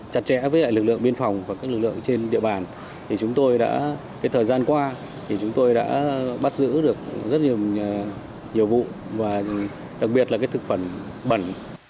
chặt chẽ với lực lượng biên phòng và các lực lượng trên địa bàn thì chúng tôi đã thời gian qua thì chúng tôi đã bắt giữ được rất nhiều vụ và đặc biệt là thực phẩm bẩn